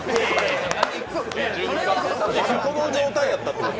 まだこの状態やったってこと？